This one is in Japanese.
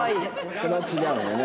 それは違うんだね。